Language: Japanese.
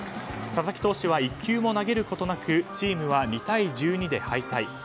佐々木投手は１球も投げることなくチームは２対１２で敗退。